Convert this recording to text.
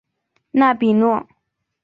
纳比诺。